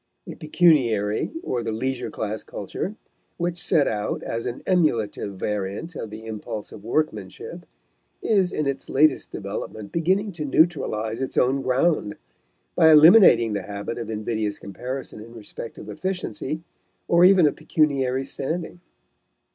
The pecuniary or the leisure class culture, which set out as an emulative variant of the impulse of workmanship, is in its latest development beginning to neutralize its own ground, by eliminating the habit of invidious comparison in respect of efficiency, or even of pecuniary standing.